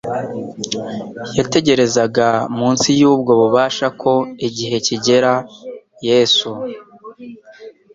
Yategerezaga munsi y'ubwo bubasha ko igihe kigera Yesu,